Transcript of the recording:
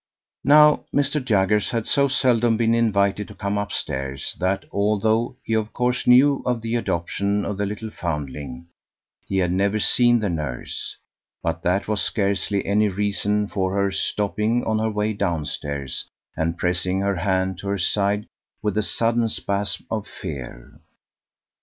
Now Mr. Jaggers had so seldom been invited to come upstairs, that, although he of course knew of the adoption of the little foundling, he had never seen the nurse; but that was scarcely any reason for her stopping on her way downstairs and pressing her hand to her side with a sudden spasm of fear.